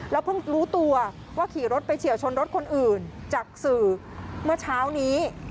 เพิ่งรู้ตัวว่าขี่รถไปเฉียวชนรถคนอื่นจากสื่อเมื่อเช้านี้